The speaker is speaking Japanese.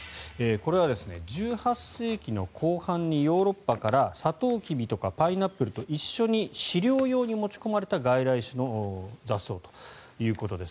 これは１８世紀の後半にヨーロッパからサトウキビとかパイナップルと一緒に飼料用に持ち込まれた外来種の雑草ということです。